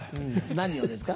何をですか？